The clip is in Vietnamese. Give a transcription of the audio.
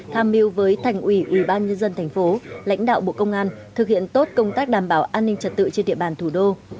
tham mưu với thành ủy ủy ban nhân dân thành phố lãnh đạo bộ công an thực hiện tốt công tác đảm bảo an ninh trật tự trên địa bàn thủ đô